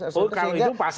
oh kalau itu pasti